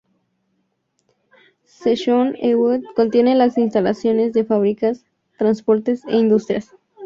Sacheon-eub contiene las instalaciones de fábricas, transportes e industrias.